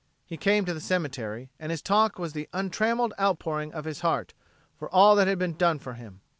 He came to the cemetery, and his talk was the untrammelled outpouring of his heart for all that had been done for him.